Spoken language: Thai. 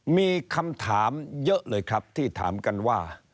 มีคำถามเยอะเลยครับที่ถามกันว่า